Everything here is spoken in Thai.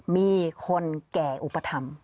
มีคนแก่อุปถัมภ์